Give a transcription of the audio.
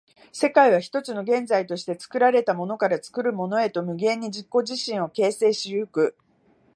世界は一つの現在として、作られたものから作るものへと無限に自己自身を形成し行く。